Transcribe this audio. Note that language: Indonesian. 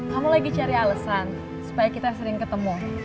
kamu lagi cari alasan supaya kita sering ketemu